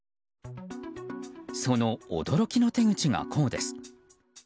その驚きの手口がこうです。